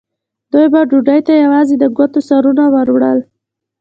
دوی به ډوډۍ ته یوازې د ګوتو سرونه وروړل.